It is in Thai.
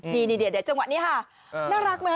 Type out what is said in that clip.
นี่เดี๋ยวจังหวะนี้ค่ะน่ารักไหม